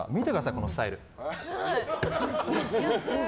このスタイル。